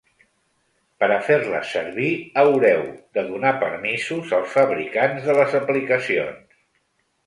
Per a fer-les servir haureu de donar permisos als fabricants de les aplicacions.